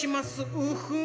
ウフン。